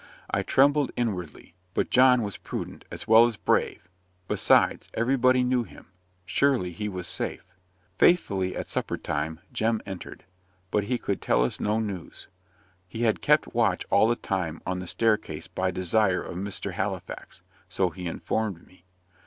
I trembled inwardly. But John was prudent, as well as brave: besides, "everybody knew him." Surely he was safe. Faithfully, at supper time, Jem entered. But he could tell us no news; he had kept watch all the time on the staircase by desire of "Mr. Halifax" so he informed me.